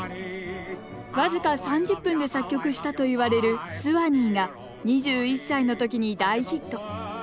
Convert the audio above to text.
僅か３０分で作曲したといわれる「スワニー」が２１歳の時に大ヒット。